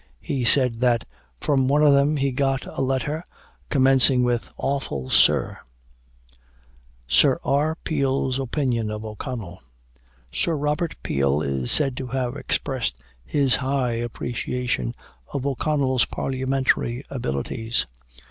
He said that "from one of them he got a letter commencing with 'Awful Sir!'" SIR R. PEEL'S OPINION OF O'CONNELL. Sir Robert Peel is said to have expressed his high appreciation of O'Connell's parliamentary abilities.